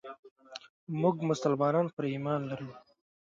موږ مسلمانان پرې ايمان لرو.